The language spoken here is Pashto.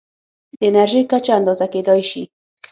د انرژۍ کچه اندازه کېدای شي.